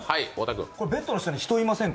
ベッドの下に、人いませんか？